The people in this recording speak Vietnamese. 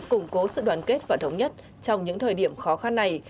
củng cố sự đoàn kết và thống nhất trong những thời điểm khó khăn này